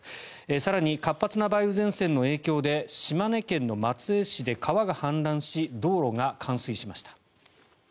更に活発な梅雨前線の影響で島根県の松江市で川が氾濫し道路が冠水しました。